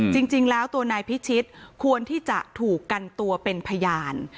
จริงแล้วตัวนายพิชิตควรที่จะถูกกันตัวเป็นพยาน